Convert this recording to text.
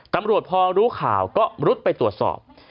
ตำรวจพอรู้ข่าวก็รุดไปตรวจสอบ